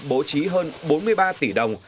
bố trí hơn bốn mươi ba tỷ đồng